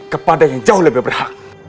kepada yang jauh lebih berhak